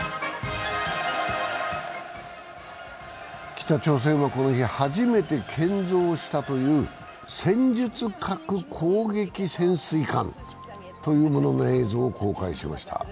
北朝鮮はこの日、初めて建造したという戦術核攻撃潜水艦というものの映像を公開しました。